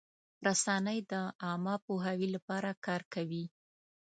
رسنۍ د عامه پوهاوي لپاره کار کوي.